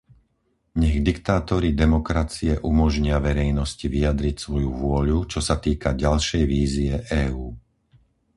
Nech diktátori demokracie umožnia verejnosti vyjadriť svoju vôľu, čo sa týka ďalšej vízie EÚ.